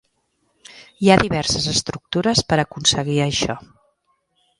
Hi ha diverses estructures per aconseguir això.